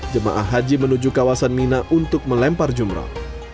jemaah haji menuju kawasan mina untuk melempar jumroh